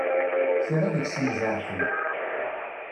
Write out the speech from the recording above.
Kra deg-sen jerḥen.